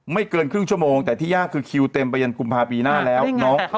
เกินครึ่งชั่วโมงแต่ที่ยากคือคิวเต็มไปยันกุมภาพีหน้าแล้ว